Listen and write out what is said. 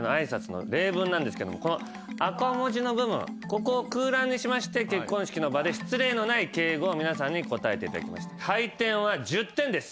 赤文字の部分を空欄にしまして結婚式の場で失礼のない敬語を皆さんに答えていただきました。